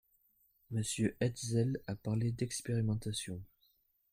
Monsieur Hetzel a parlé d’expérimentation.